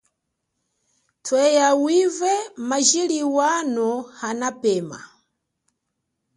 Tweya wive maliji wano anapema.